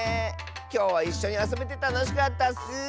きょうはいっしょにあそべてたのしかったッス！